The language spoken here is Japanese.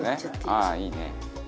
ああ、いいね。